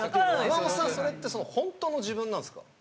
熊元さんそれって本当の自分なんですか？